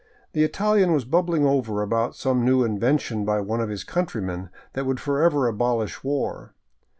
The Italian was bubbling over about some new invention by one of his countrymen that would forever abolish war.